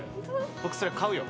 僕それ買うよ。